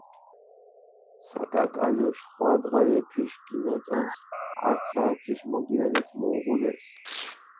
საკაკალო, შხვა დღალეფიშ გინაწონს, ართ საათიშ მოგვიანეთ მოუღუდეს.